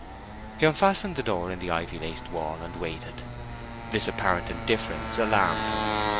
He unfastened the door in the ivy laced wall, and waited. This apparent indifference alarmed him.